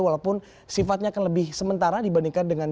walaupun sifatnya akan lebih sementara dibandingkan dengan